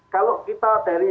kalau kita dari